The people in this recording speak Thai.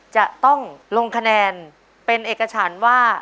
จะต้องลงคะแนนเป็นเอกฉันว่า